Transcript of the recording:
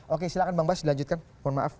oke silahkan bang bas dilanjutkan mohon maaf